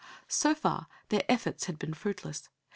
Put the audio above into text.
So far their efforts had been fruitless.